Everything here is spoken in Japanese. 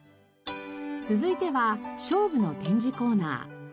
続いては菖蒲の展示コーナー。